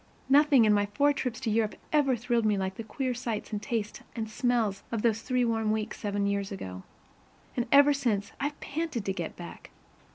Nothing in my four trips to Europe ever thrilled me like the queer sights and tastes and smells of those three warm weeks seven years ago. And ever since, I've panted to get back.